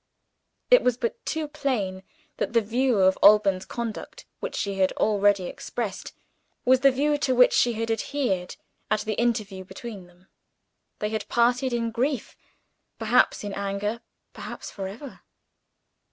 It was but too plain that the view of Alban's conduct which she had already expressed, was the view to which she had adhered at the interview between them. They had parted in grief perhaps in anger perhaps forever.